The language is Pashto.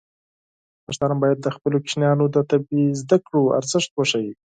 پښتانه بايد خپلو ماشومانو ته د طبي زده کړو ارزښت وښيي.